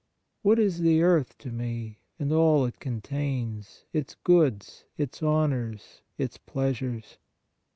What is the earth to me, and all it contains, its goods, its honors, its pleasures!